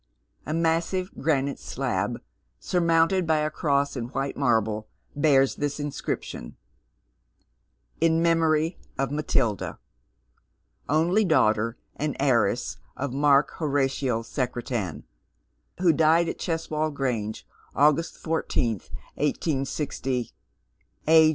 A massive granite slab, surmounted by a cross in white marble, bears this ioBcription :— In Memory of MATILDA, Only Daitohtbr and Heiress of Mj^rk Horatio Secretan, Who died at Cheswold Grange, August 14th, 186 —^ AoKo EiaHxy Two Years.